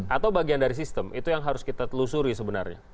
atau bagian dari sistem itu yang harus kita telusuri sebenarnya